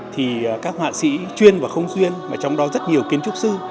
thì các họa sĩ chuyên và không xuyên mà trong đó rất nhiều kiến trúc sư